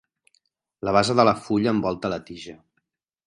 La base de la fulla envolta la tija.